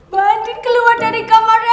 bantin keluar dari kamarnya